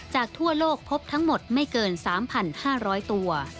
ทั่วโลกพบทั้งหมดไม่เกิน๓๕๐๐ตัว